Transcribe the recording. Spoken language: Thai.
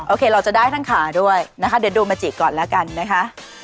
โคเราจะได้ทั้งขาด้วยนะคะเดี๋ยวดูมาจิก่อนแล้วกันนะคะ